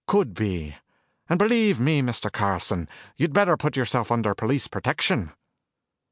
"Could be. And believe me, Mr. Carlson, you'd better put yourself under police protection."